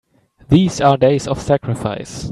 These are days of sacrifice!